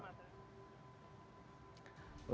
terima kasih banyak